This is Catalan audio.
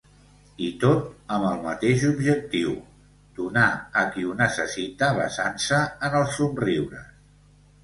I tot amb el mateix objectiu: donar a qui ho necessita basant-se en els somriures.